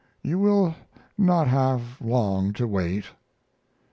You will not have long to wait."